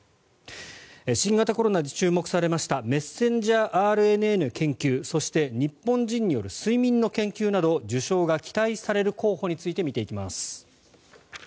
新型コロナで注目されましたメッセンジャーＲＮＡの研究そして日本人による睡眠の研究など受賞が期待される候補について見ていきます。